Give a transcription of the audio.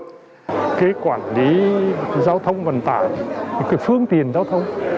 cái quản lý giao thông vận tải cái phương tiền giao thông